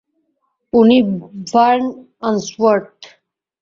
উনি ভার্ন আন্সওর্থ।